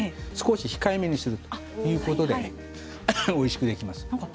控えめにするということでおいしくできます。